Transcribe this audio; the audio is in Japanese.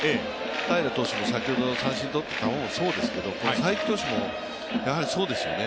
平良投手も先ほど三振をとった球もそうですけどこの才木投手もやはりそうですよね。